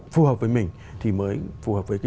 phù hợp với mình thì mới phù hợp với